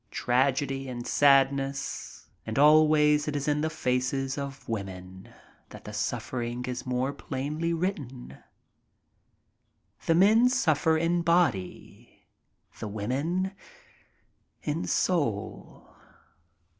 Tragedy and sadness, and always it is in the faces of the women that the suffering is more plainly written. The men suffer in body — the women in soul.